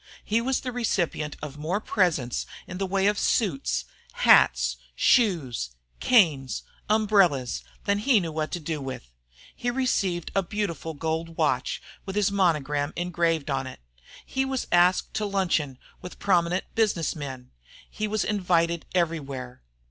He was the recipient of more presents in the way of suits, hats, shoes, canes, umbrellas, than he knew what to do with. He received a beautiful gold watch, with his monogram engraved on it. He was asked to luncheon with prominent businessmen; he was invited everywhere.